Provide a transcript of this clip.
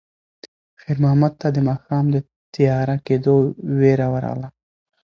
خیر محمد ته د ماښام د تیاره کېدو وېره ورغله.